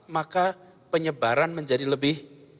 maka penyebaran menjadi lebih